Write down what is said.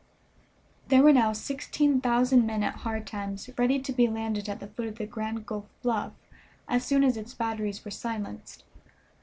There were now sixteen thousand men at Hard Times ready to be landed at the foot of the Grand Gulf bluff as soon as its batteries were silenced.